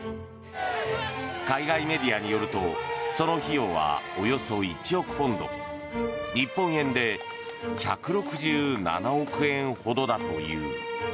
海外メディアによるとその費用はおよそ１億ポンド日本円で１６７億円ほどだという。